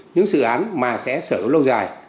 những sự án mà sẽ sở hữu lâu dài